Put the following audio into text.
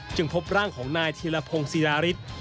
จึงพบร่างของนายธีรพงศ์ซีดาริส